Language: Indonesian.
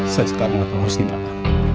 saya sekarang harus dibawa